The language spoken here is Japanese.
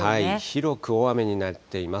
広く大雨になっています。